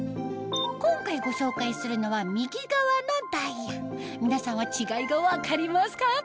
今回ご紹介するのは右側のダイヤ皆さんは違いが分かりますか？